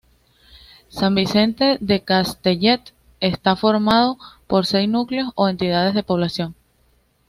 San Vicente de Castellet está formado por seis núcleos o entidades de población.